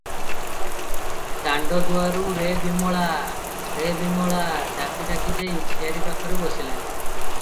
ଦାଣ୍ଡ ଦୁଆରୁ "ରେ ବିମଳା! ରେ ବିମଳା!" ଡାକି ଡାକି ଯାଇ ଝିଆରୀ ପଖରେ ବସିଲା ।